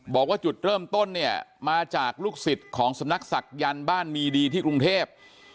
บอกว่าจุดเริ่มต้นเนี่ยมาจากลูกศิษย์ของสำนักศักยันต์บ้านมีดีที่กรุงเทพ